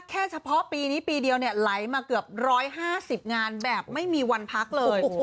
เฉพาะปีนี้ปีเดียวเนี่ยไหลมาเกือบ๑๕๐งานแบบไม่มีวันพักเลย